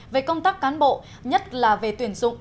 về công tác cán bộ nhất là về tuyển dụng